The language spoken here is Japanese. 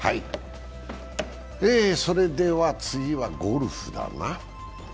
それでは次はゴルフだな。